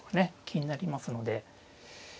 気になりますので。